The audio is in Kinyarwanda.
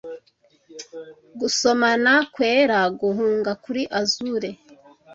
gusomana kwera guhunga kuri azure